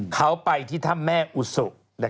เขาไปที่ถ้ำแม่อุสุ